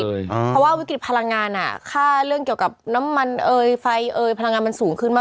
เพราะว่าวิกฤตพลังงานค่าเรื่องเกี่ยวกับน้ำมันเอยไฟเอ่ยพลังงานมันสูงขึ้นมาก